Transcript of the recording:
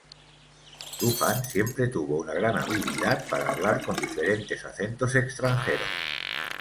Doohan siempre tuvo una gran habilidad para hablar con diferentes acentos extranjeros.